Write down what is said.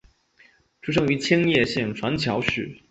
出身于千叶县船桥市。